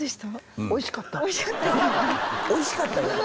おいしかったよ。